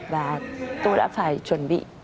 và tôi đã phải chuẩn bị